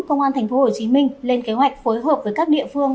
công an tp hcm lên kế hoạch phối hợp với các địa phương